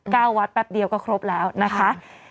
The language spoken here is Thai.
วัดแป๊บเดียวก็ครบแล้วนะคะ